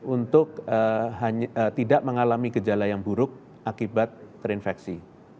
untuk tidak mengalami gejala yang buruk akibat terinfeksi